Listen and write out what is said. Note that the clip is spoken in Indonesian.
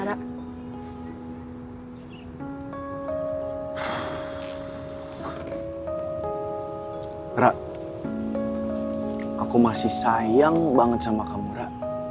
rara aku masih sayang banget sama kamu rara